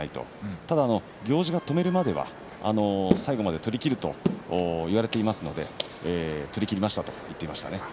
ただ行司が止めるまでは最後まで取りきれと言われていますので取りきりましたと言っていました。